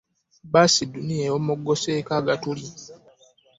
Baasi ddunia ewomogoseeko agatuli .